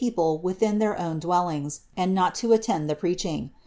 199 people within their own dwellings, and not to attend the preaching.